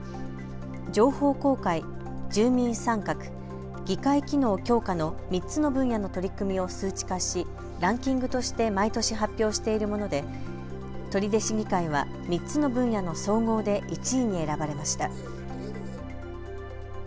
情報公開、住民参画、議会機能強化の３つの分野の取り組みを数値化し、ランキングとして毎年発表しているもので取手市議会は３つの分野の総合で１位に選ばれました。